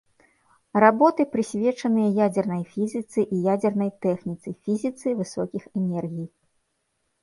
Работы прысвечаны ядзернай фізіцы і ядзернай тэхніцы, фізіцы высокіх энергій.